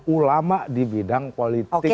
ulama di bidang politik hari ini